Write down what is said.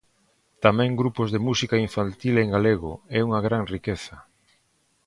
Tamén grupos de música infantil en galego, é unha gran riqueza.